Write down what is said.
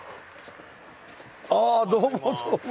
ああどうもどうも。